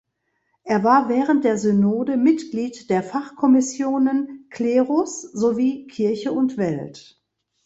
Er war während der Synode Mitglied der Fachkommissionen „Klerus“ sowie „Kirche und Welt“.